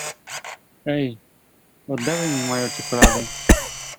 Ej, oddawaj mi moją czekoladę!